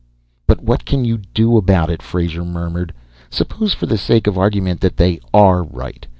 "But what can you do about it?" Frazer murmured. "Suppose for the sake of argument that they are right.